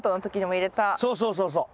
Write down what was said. そうそうそうそう。